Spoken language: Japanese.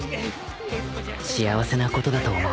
［幸せなことだと思う］